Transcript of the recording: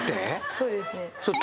そうですね。